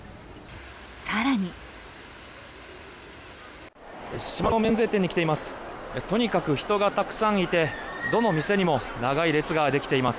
更に島の免税店に来ています。